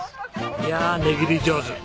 いや値切り上手。